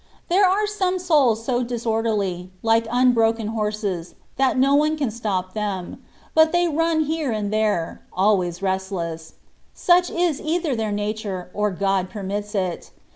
There are some souls so disorderly, like un broken horses, that no one can stop them; but they run here and there — always restless : such is either their nature, or God permits it.